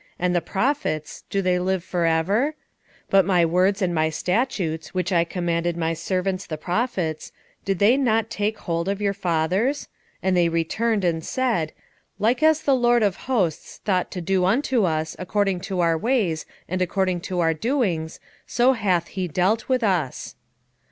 and the prophets, do they live for ever? 1:6 But my words and my statutes, which I commanded my servants the prophets, did they not take hold of your fathers? and they returned and said, Like as the LORD of hosts thought to do unto us, according to our ways, and according to our doings, so hath he dealt with us.